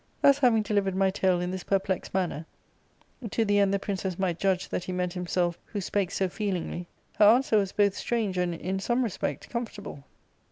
" Thus having delivered my tale in this perplexed manner, to the end the princess might judge that he meant himself who spake so feelingly, her answer was both strange and, in some respect, comfortable.